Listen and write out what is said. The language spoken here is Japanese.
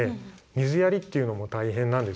水やりっていうのも大変なんですよ。